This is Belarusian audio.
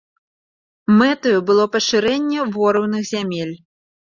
Мэтаю было пашырэнне ворыўных зямель.